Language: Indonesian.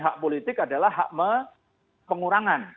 hak politik adalah hak pengurangan